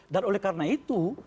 dan oleh karena itu